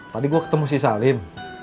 tadi gue ketemu si salim